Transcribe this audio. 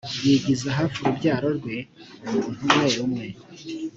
yigiza hafi urubyaro rwe umuntu umwe umwe